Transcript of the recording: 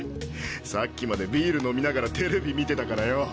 さっきまでビール飲みながらテレビ見てたからよ。